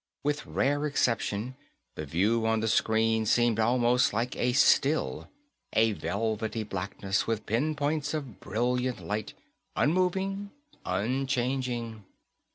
With rare exception, the view on the screen seemed almost like a still; a velvety blackness with pin points of brilliant light, unmoving, unchanging.